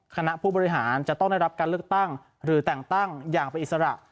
คณะผู้บริหารจะต้องได้รับการเลือกตั้งหรือแต่งตั้งอย่างเป็นอิสระ